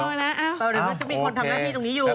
เดี๋ยวมันจะมีคนทำหน้าที่ตรงนี้อยู่